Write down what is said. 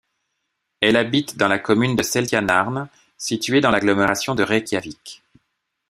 Elle habite dans la commune de Seltjarnarnes, située dans l'agglomération de Reykjavik.